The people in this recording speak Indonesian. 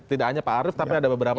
tidak hanya pak arief tapi ada beberapa